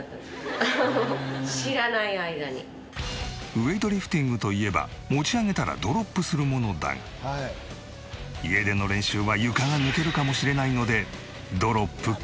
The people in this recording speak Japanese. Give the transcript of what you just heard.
ウエイトリフティングといえば持ち上げたらドロップするものだが家での練習は床が抜けるかもしれないので。